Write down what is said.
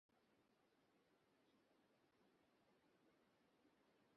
তিনি মূলতঃ ডানহাতি অফ-ব্রেক বোলিং করতেন।